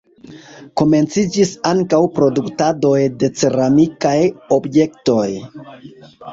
Komenciĝis ankaŭ produktadoj de ceramikaj objektoj.